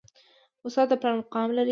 استاد د پلار مقام لري